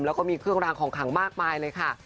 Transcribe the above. แล้วก็มีเครื่องรางของขังมากมายเลยค่ะ